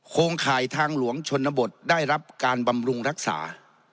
โครงข่ายทางหลวงชนบทได้รับการบำรุงรักษา